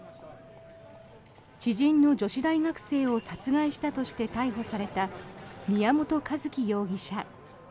知人の女子大学生を殺害したとして逮捕された宮本一希容疑者。